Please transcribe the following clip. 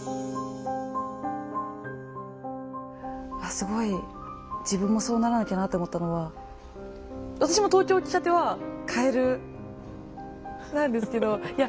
すごい自分もそうならなきゃなって思ったのは私も東京来たてはカエルなんですけどいや